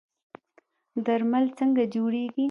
درمل څنګه جوړیږي؟